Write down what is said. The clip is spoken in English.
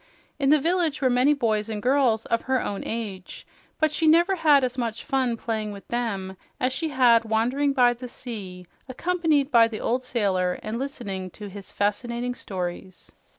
In the village were many boys and girls of her own age, but she never had as much fun playing with them as she had wandering by the sea accompanied by the old sailor and listening to his fascinating stories.